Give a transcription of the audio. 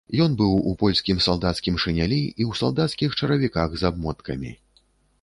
Ён быў у польскім салдацкім шынялі і ў салдацкіх чаравіках з абмоткамі.